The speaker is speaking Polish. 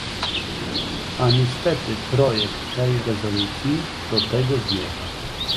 A niestety projekt tej rezolucji do tego zmierza